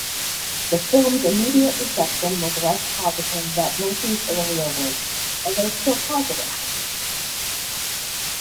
The film's immediate reception was less positive that Murphy's earlier works, although still positive.